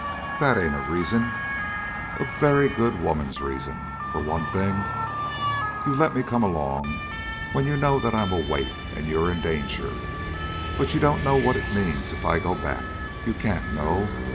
"That ain't a reason." "A very good woman's reason. For one thing you've let me come along when you know that I'm a weight, and you're in danger. But you don't know what it means if I go back. You can't know.